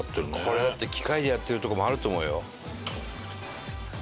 これだって機械でやってるとこもあると思うよ。